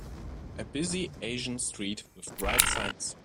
A busy Asian street with bright signs.